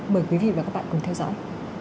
mời quý vị và các bạn cùng theo dõi